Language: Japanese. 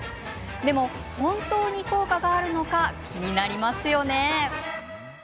でも本当に効果があるのか気になりますよね。